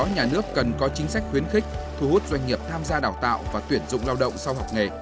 nhà nước cần có chính sách khuyến khích thu hút doanh nghiệp tham gia đào tạo và tuyển dụng lao động sau học nghề